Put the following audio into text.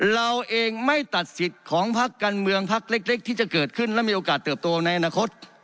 เราเองไม่ตัดสิทธิ์ของพักการเมืองพักเล็กที่จะเกิดขึ้นและมีโอกาสเติบโตในอนาคต